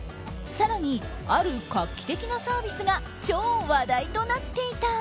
更に、ある画期的なサービスが超話題となっていた。